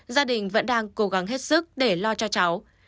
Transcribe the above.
gia đình vẫn đang cố gắng hết sức để lo cho cháu